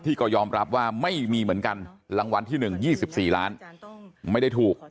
ก็ยอมรับว่าไม่มีเหมือนกันรางวัลที่๑๒๔ล้านไม่ได้ถูก